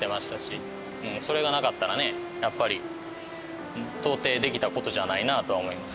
それがなかったらねやっぱり到底できた事じゃないなとは思います。